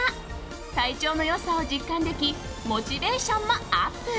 体調の良さを実感できモチベーションもアップ。